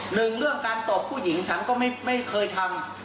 หนึ่งเรื่องการตอบผู้หญิงฉันก็ไม่เคยทำ